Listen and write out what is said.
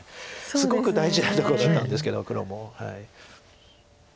すごく大事なところなんですけど黒も。